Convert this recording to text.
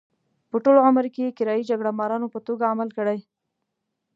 په ټول عمر کې یې کرایي جګړه مارانو په توګه عمل کړی.